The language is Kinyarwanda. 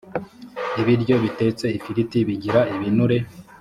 ibiryo bitetse ifiriti bigira ibinure.